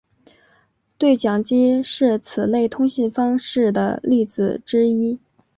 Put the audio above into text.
对讲机是此类通信方式的例子之一。